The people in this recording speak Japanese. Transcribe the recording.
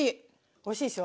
おいしいでしょ？